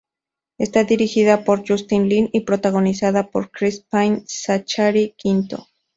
Está dirigida por Justin Lin y protagonizada por Chris Pine y Zachary Quinto.